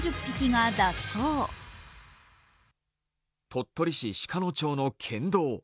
鳥取市鹿野町の県道。